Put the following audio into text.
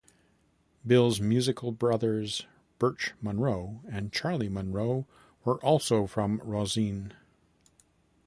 Bill's musician brothers Birch Monroe and Charlie Monroe were also from Rosine.